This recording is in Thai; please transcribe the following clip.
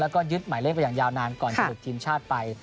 แล้วก็ยึดหมายเลขไปอย่างยาวนานก่อนจะหลุดทีมชาติไป